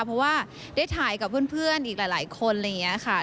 เพราะว่าได้ถ่ายกับเพื่อนอีกหลายคนอะไรอย่างนี้ค่ะ